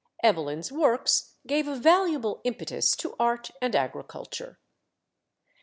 Evelyn's works gave a valuable impetus to art and agriculture.